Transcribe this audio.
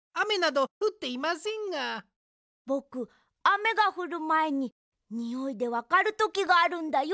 ぼくあめがふるまえににおいでわかるときがあるんだよ。